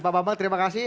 pak bambang terima kasih